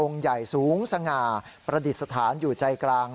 ใหญ่สูงสง่าประดิษฐานอยู่ใจกลาง